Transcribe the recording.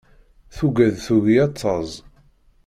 Tuggad tugi ad taẓ.